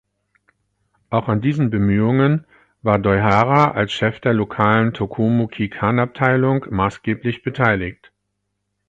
Auch an diesen Bemühungen war Doihara als Chef der lokalen Tokumu-Kikan-Abteilung maßgeblich beteiligt.